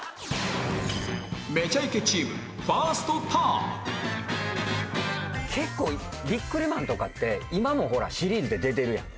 『めちゃイケ』チーム結構ビックリマンとかって今もほらシリーズで出てるやん。